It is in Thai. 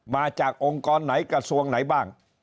มาจากองค์กรไหนกระทรวงไหนบ้าง